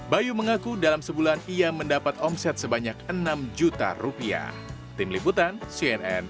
bayu mengaku dalam sebulan ia mendapat omset sebanyak enam juta rupiah